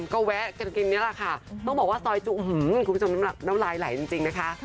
ก็แวะกันกินนี่แหละค่ะต้องบอกว่าซอยจุหือคุณผู้ชมน้ำลายไหลจริงนะคะ